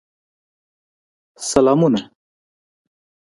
سلامونه